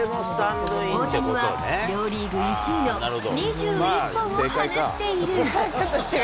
大谷は両リーグ１位の２１本を放っている。